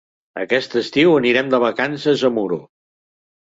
Aquest estiu anirem de vacances a Muro.